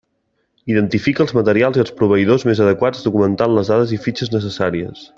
Identifica els materials i els proveïdors més adequats documentant les dades i fitxes necessàries.